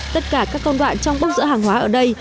tất cả các con đoạn trong bốc dỡ hàng hóa ở đây